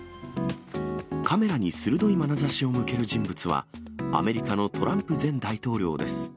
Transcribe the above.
カメラに鋭いまなざしを向ける人物は、アメリカのトランプ前大統領です。